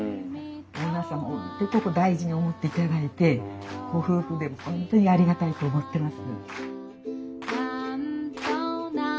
オーナーさんも本当にここ大事に思っていただいてご夫婦で本当にありがたいと思ってます。